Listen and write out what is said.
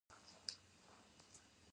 د غور فیروزکوه لوړ ښار و